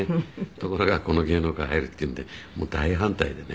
ところがこの芸能界入るっていうんでもう大反対でね。